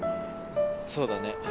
そうだね。